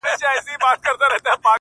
نوی منبر به جوړوو زاړه یادونه سوځو-